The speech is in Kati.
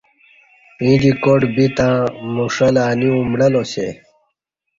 ییں دی کاٹ بِتں مُݜہ لہ اَنی اُمڈہ لا سے